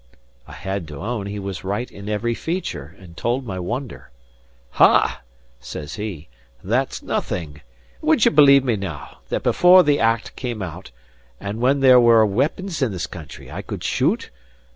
I had to own he was right in every feature, and told my wonder. "Ha!" says he, "that's nothing. Would ye believe me now, that before the Act came out, and when there were weepons in this country, I could shoot?